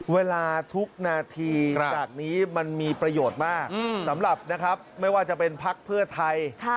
เวลาทุกนาทีจากนี้มันมีประโยชน์มากสำหรับนะครับไม่ว่าจะเป็นพักเพื่อไทย